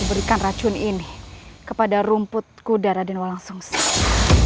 aku berikan racun ini kepada rumput kudara nadawalangsungsang